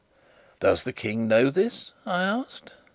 "Does the King know this?" I asked.